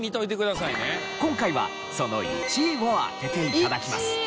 今回はその１位を当てて頂きます。